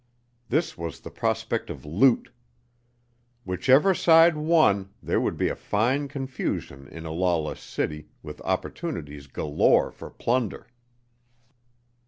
This was the prospect of loot. Whichever side won, there would be a fine confusion in a lawless city, with opportunities galore for plunder.